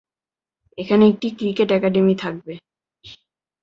এখানে একটি cricket academy থাকবে।